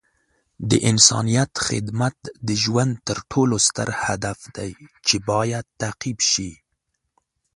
د انسانیت خدمت د ژوند تر ټولو ستر هدف دی چې باید تعقیب شي.